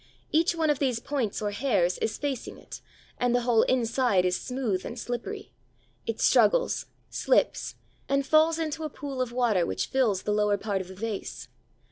Each one of these points or hairs is facing it, and the whole inside is smooth and slippery. It struggles, slips, and falls into a pool of water which fills the lower part of the vase.